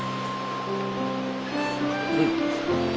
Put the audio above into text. うん！